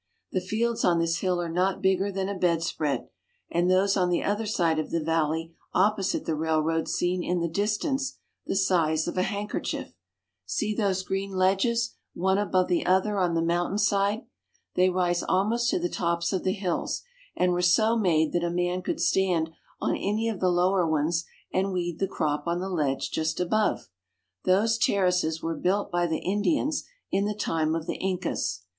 The fields on this hill are not bigger than a bedspread, and those on the other side of the valley opposite the railroad seem in the distance the size of a handkerchief. See those green ledges one above the other on the moun tainside. They rise almost to the tops of the hills, and were so made that a man could stand on any of the lower ones and weed the crop on the ledge just above. Those terraces were built by the Indians in the time of the Incas.